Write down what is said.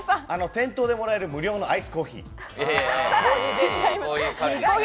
店頭でもらえる無料のアイスコーヒー。